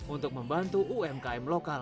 untuk membantu umkm lokal